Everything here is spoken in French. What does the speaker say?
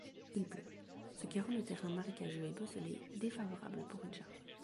Il pleut, ce qui rend le terrain marécageux et bosselé défavorable pour une charge.